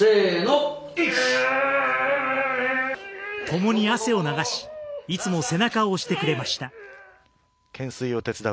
ともに汗を流しいつも背中を押してくれました。